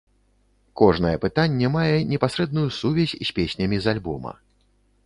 Кожнае пытанне мае непасрэдную сувязь з песнямі з альбома.